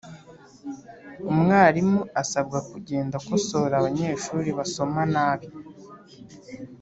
Umwarimu asabwa kugenda akosora abanyeshuri basoma nabi